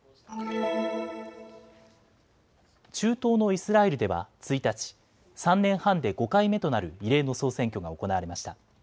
中東のイスラエルでは１日、３年半で５回目となる異例の総選挙が行われました。